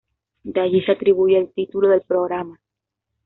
De allí se atribuye el título del programa.